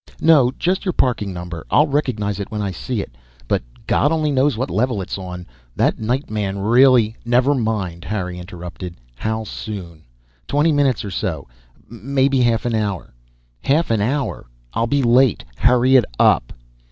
"No, just your parking number. I'll recognize it when I see it. But God only knows what level it's on. That night man really " "Never mind," Harry interrupted. "How soon?" "Twenty minutes or so. Maybe half an hour." "Half an hour? I'll be late. Hurry it up!"